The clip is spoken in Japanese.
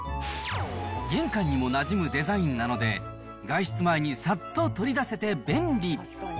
玄関にもなじむデザインなので、外出前にさっと取り出せて便利。